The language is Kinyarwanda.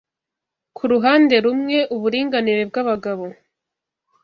Ku ruhande rumwe uburinganire bwabagabo